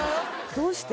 どうして？